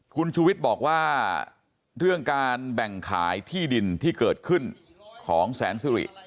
คุณชูวิทย์บอกว่าเรื่องการแบ่งขายที่ดินที่เกิดขึ้นของแสนสิริ